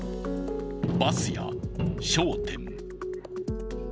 バスや商店。